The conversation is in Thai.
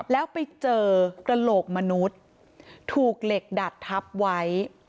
แล้วไปเจอกระโหลกมนุษย์ถูกเหล็กดัดทับไว้